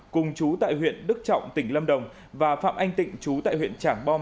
cùng chú tại huyện đức trọng tỉnh lâm đồng và phạm anh tịnh chú tại huyện trảng bom